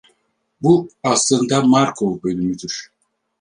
Bu aslında Markov bölümüdür.